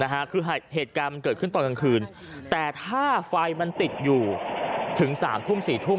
คือเหตุการณ์มันเกิดขึ้นตอนกลางคืนแต่ถ้าไฟมันติดอยู่ถึงสามทุ่มสี่ทุ่ม